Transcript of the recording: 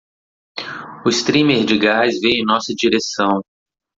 O streamer de gás veio em nossa direção.